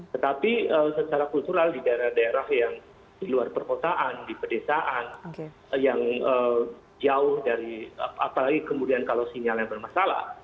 tetapi secara kultural di daerah daerah yang di luar perkosaan di pedesaan yang jauh dari apalagi kemudian kalau sinyalnya bermasalah